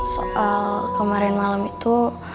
soal kemarin malam itu